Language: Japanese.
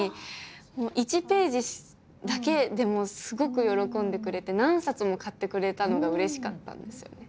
１ページだけでもすごく喜んでくれて何冊も買ってくれたのがうれしかったんですよね。